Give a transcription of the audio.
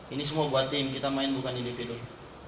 ini semua buat tim kita main bukan individu